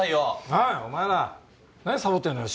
おいお前ら何サボってんだよ